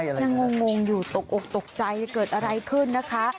ยังงงอยู่ตกอกตกใจเกิดอะไรขึ้นนะคะ